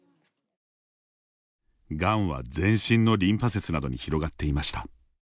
がんは、全身のリンパ節などに広がっていました。